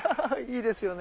いいですよね。